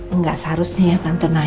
enggak seharusnya ya tante nanya